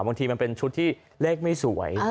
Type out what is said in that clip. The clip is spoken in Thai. บางทีมันเป็นชุดที่เลขไม่สวย